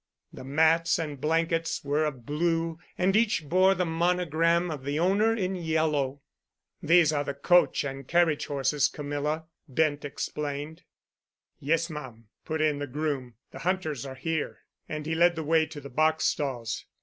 The mats and blankets were of blue, and each bore the monogram of the owner in yellow. "These are the coach and carriage horses, Camilla," Bent explained. "Yes, ma'am," put in the groom. "The hunters are here," and he led the way to the box stalls.